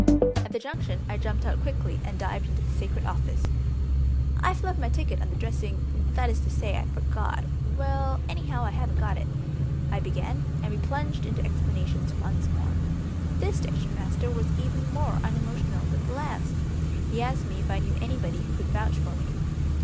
At the junction I jumped out quickly and dived into the sacred office. "I've left my ticket on the dressing that is to say, I forgot Well, anyhow, I haven't got it," I began, and we plunged into explanations once more. This station master was even more unemotional than the last. He asked me if I knew anybody who could vouch for me.